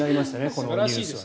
このニュースは。